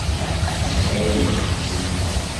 Аша инде, зинһар.